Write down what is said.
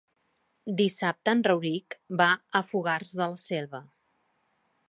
Dissabte en Rauric va a Fogars de la Selva.